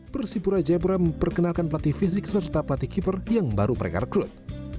persipura jayapura memperkenalkan pelatih fisik serta pelatih keeper yang baru mereka rekrut